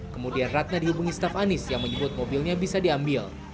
kemudian ratna dihubungi staf anies yang menyebut mobilnya bisa diambil